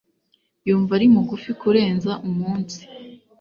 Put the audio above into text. Yumva ari mugufi kurenza umunsi